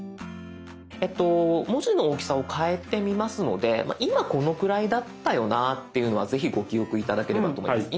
文字の大きさを変えてみますので今このくらいだったよなっていうのはぜひご記憶頂ければと思います。